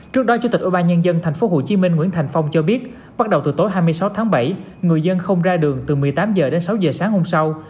trước đó chủ tịch ubnd tp hcm nguyễn thành phong cho biết bắt đầu từ tối hai mươi sáu tháng bảy người dân không ra đường từ một mươi tám h đến sáu h sáng hôm sau